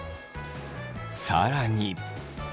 更に。